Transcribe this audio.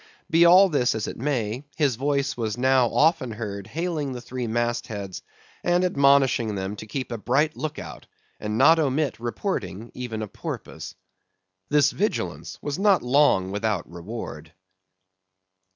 Be all this as it may, his voice was now often heard hailing the three mast heads and admonishing them to keep a bright look out, and not omit reporting even a porpoise. This vigilance was not long without reward.